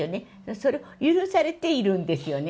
それを許されているんですよね。